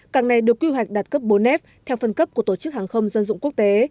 cảng này được quy hoạch đạt cấp bốn f theo phân cấp của tổ chức hàng không dân dụng quốc tế